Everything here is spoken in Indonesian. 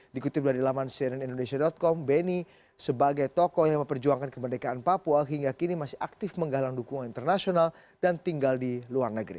dikutip dari laman cnnindonesia com beni sebagai tokoh yang memperjuangkan kemerdekaan papua hingga kini masih aktif menggalang dukungan internasional dan tinggal di luar negeri